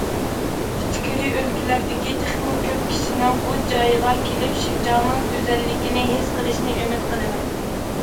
ئىچكىرى ئۆلكىلەردىكى تېخىمۇ كۆپ كىشىنىڭ بۇ جايغا كېلىپ، شىنجاڭنىڭ گۈزەللىكىنى ھېس قىلىشىنى ئۈمىد قىلىمەن.